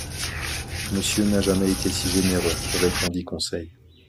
Monsieur n’a jamais été si généreux, » répondit Conseil.